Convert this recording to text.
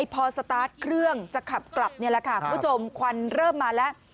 พอสตาร์ทเครื่องจะขับกลับนี่แหละจมควันเริ่มมาแล้ว